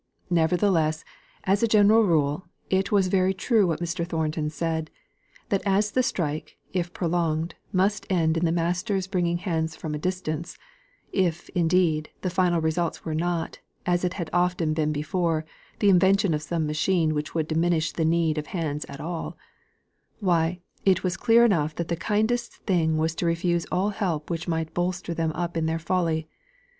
Nevertheless, as a general rule, it was very true what Mr. Thornton said, that as the strike, if prolonged, must end in the masters bringing hands from a distance (if, indeed, the final result were not, as it had often been before, the invention of some machine which would diminish the need of hands at all), why, it was clear enough that the kindest thing was to refuse all help which might bolster them up in their folly.